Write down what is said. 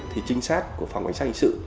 thì trinh sát của phòng ánh sách hình sự